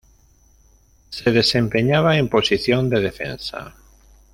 Se desempeñaba en posición de defensa.